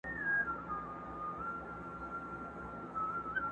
یو په بل کي ورکېدلای٫